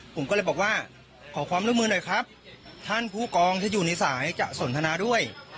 ผมก็เลยบอกว่าขอความร่วมมือหน่อยครับท่านผู้กองที่อยู่ในสายจะสนทนาด้วย